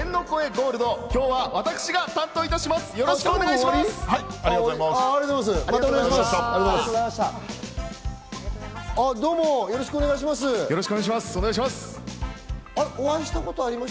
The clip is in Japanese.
またよろしくお願いします。